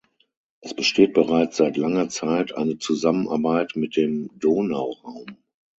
Es besteht bereits seit langer Zeit eine Zusammenarbeit mit dem Donauraum.